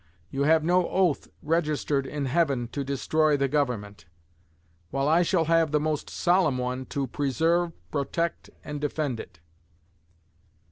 You have no oath registered in heaven to destroy the Government; while I shall have the most solemn one to "preserve, protect, and defend" it.